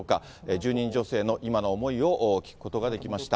住人女性の今の思いを聞くことができました。